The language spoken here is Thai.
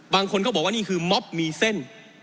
บางคนก็บอกว่านี่คือม็อบมีเส้น